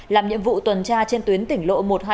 làm nhiệm vụ tuần tra trên tuyến tỉnh lộ một trăm hai mươi